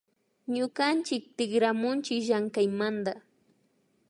Ñukanchik tikramunchi llamkaymanta